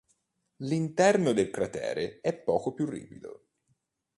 L'interno del cratere è poco ripido.